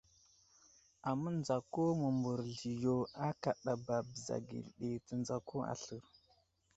Amənzako mə mbərezl yo akadaba bəza geli ɗi tənzako aslər.